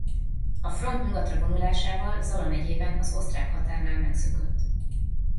A front nyugatra vonulásával Zala-megyében az osztrák határnál megszökött.